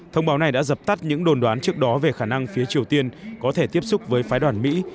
thông báo này đã dập tắt những đồn đoán trước đó về khả năng phía triều tiên có thể tiếp xúc với phái đoàn mỹ